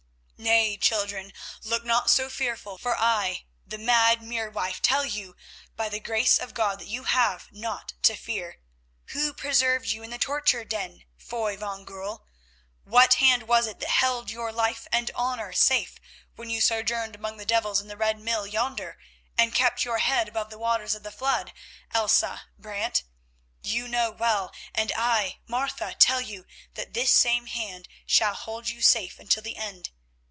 "Nay, children, look not so fearful, for I, the mad mere wife, tell you, by the Grace of God, that you have naught to fear. Who preserved you in the torture den, Foy van Goorl? What hand was it that held your life and honour safe when you sojourned among devils in the Red Mill yonder and kept your head above the waters of the flood, Elsa Brant? You know well, and I, Martha, tell you that this same hand shall hold you safe until the end.